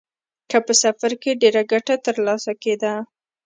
که په سفر کې ډېره ګټه ترلاسه کېده.